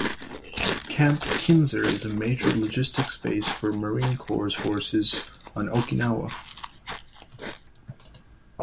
Camp Kinser is a major logistics base for Marine Corps Forces on Okinawa.